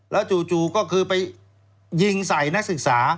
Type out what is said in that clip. แล้วจู่ก็คือไปยิงใส่นักศึกษา